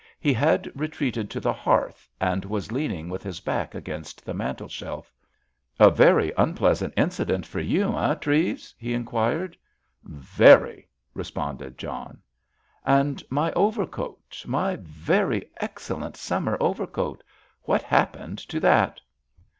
He had retreated to the hearth, and was leaning with his back against the mantelshelf. "A very unpleasant incident for you, eh, Treves?" he inquired. "Very," responded John. "And my overcoat—my very excellent summer overcoat—what happened to that?"